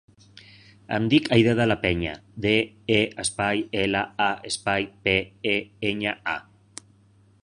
Em dic Aidé De La Peña: de, e, espai, ela, a, espai, pe, e, enya, a.